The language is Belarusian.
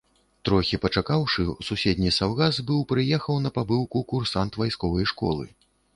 Трохі пачакаўшы, у суседні саўгас быў прыехаў на пабыўку курсант вайсковай школы.